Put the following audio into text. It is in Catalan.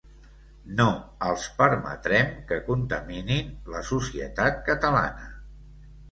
No els permetrem que contaminin la societat catalana.